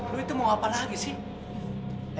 lu itu mau apa lagi sih